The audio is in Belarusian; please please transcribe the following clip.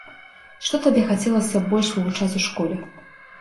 Што табе хацелася б больш вывучаць у школе?